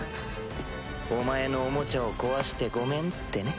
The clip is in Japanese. お前のおもちゃを壊してごめんってね。